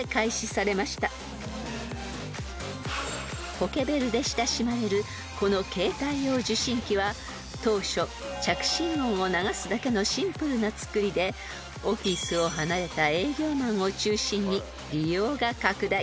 ［ポケベルで親しまれるこの携帯用受信機は当初着信音を流すだけのシンプルな作りでオフィスを離れた営業マンを中心に利用が拡大］